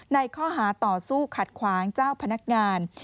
ในข้อหาต่อสู้ขัดขวางเจ้าพนักงาน